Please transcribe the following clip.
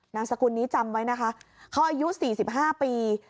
นามสกุลนี้จำไว้นะคะเขาอายุ๔๕ปี